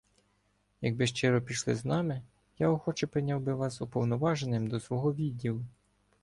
Якби щиро пішли з нами, я охоче прийняв би вас уповноваженим до свого відділу.